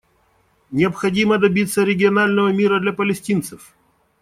Необходимо добиться регионального мира для палестинцев.